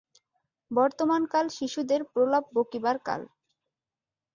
বর্তমান কাল শিশুদের প্রলাপ বকিবার কাল।